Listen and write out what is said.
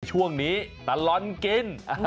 ช่วงนี้ตลอดกิน